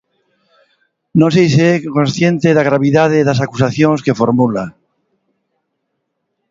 Non sei se é consciente da gravidade das acusacións que formula.